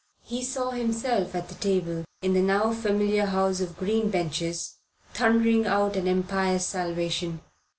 He saw himself at the table in the now familiar House of green benches, thundering out an Empire's salvation.